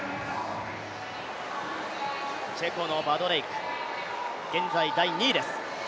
チェコのバドレイク、現在第２位です。